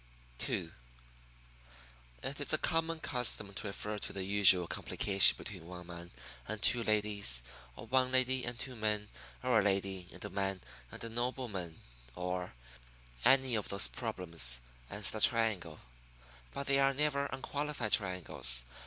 II It is a common custom to refer to the usual complication between one man and two ladies, or one lady and two men, or a lady and a man and a nobleman, or well, any of those problems as the triangle. But they are never unqualified triangles.